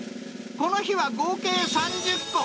この日は合計３０個。